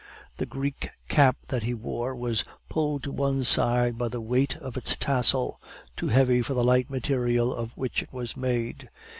The Greek cap that he wore was pulled to one side by the weight of its tassel; too heavy for the light material of which it was made.